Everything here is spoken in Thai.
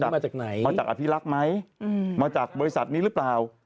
มาจากอภิลักษณ์ไหมมาจากบริษัทนี้หรือเปล่า